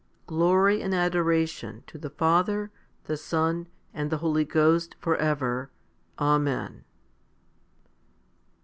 Glory and adoration to the Father, the Son, and the Holy Ghost, for ever. Amen.